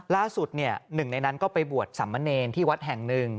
ล่าสุดหนึ่งในนั้นก็ไปบวชสัมมะเนรที่วัดแห่งหนึ่ง